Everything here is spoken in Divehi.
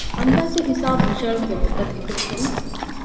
އަންދާސީ ހިސާބު ހުށަހެޅުމުގެ މުއްދަތު އިތުރު ކުރުން